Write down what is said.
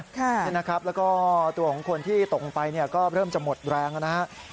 แล้วก็ตัวของคนที่ตกไปก็เริ่มจะหมดแรงนะครับ